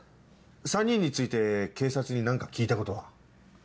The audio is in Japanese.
３人について警察に何か聞いたことは？